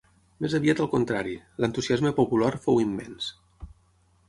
Més aviat al contrari, l'entusiasme popular fou immens.